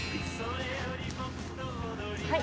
はい。